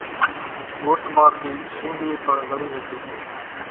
ڳوٺ مان ٿِي شينۮرِي پڻ زڙِي ۿڳيَ سي۔